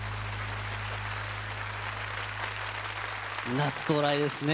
夏到来ですね。